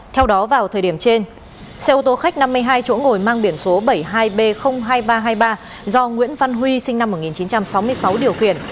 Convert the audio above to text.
theo đó vào thời điểm trên xe ô tô khách năm mươi hai chỗ ngồi mang biển số bảy mươi hai b hai nghìn ba trăm hai mươi ba do nguyễn văn huy sinh năm một nghìn chín trăm sáu mươi sáu điều khiển